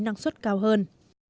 năng suất cao hơn